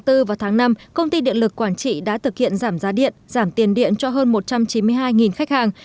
tổng số tiền quản trị đã thực hiện giảm giá điện giảm tiền điện cho hơn một trăm chín mươi hai khách hàng